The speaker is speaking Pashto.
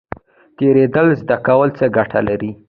تیریدل زده کول څه ګټه لري؟